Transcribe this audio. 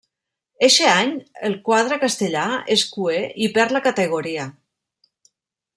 Eixe any el quadre castellà és cuer i perd la categoria.